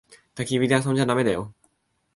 たき火で遊んじゃだめだよ。